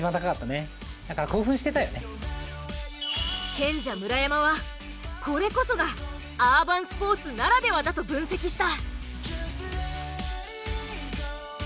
賢者・村山はこれこそがアーバンスポーツならではだと分析した。